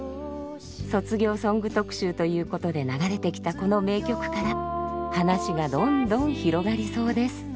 卒業ソング特集ということで流れてきたこの名曲から話がどんどん広がりそうです。